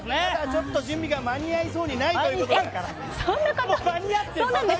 ちょっと準備が間に合いそうにないということで。